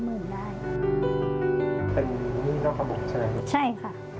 เป็นนี่น้องกระบบใช่ไหมครับใช่ค่ะ